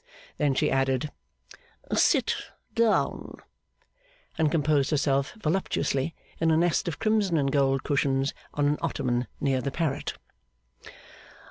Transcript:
Then she added: 'Sit down,' and composed herself voluptuously, in a nest of crimson and gold cushions, on an ottoman near the parrot.